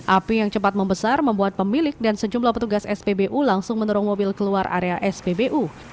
api yang cepat membesar membuat pemilik dan sejumlah petugas spbu langsung menurun mobil keluar area spbu